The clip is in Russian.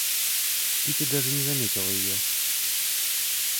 Кити даже не заметила ее.